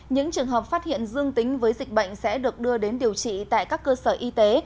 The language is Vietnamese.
những trường hợp phát hiện dương tính với dịch bệnh sẽ được đưa đến điều trị tại các cơ sở y tế